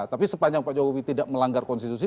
tapi sepanjang pak jokowi tidak melanggar konstitusi